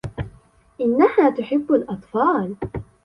إنها تحب الأطفال.